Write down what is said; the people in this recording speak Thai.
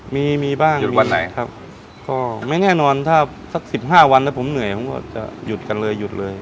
มีมีบ้างหยุดวันไหนครับก็ไม่แน่นอนถ้าสักสิบห้าวันแล้วผมเหนื่อยผมก็จะหยุดกันเลยหยุดเลย